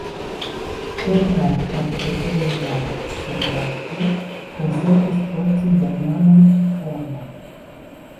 Kelkaj kartvelaj soldatoj konsentis porti germanan uniformon.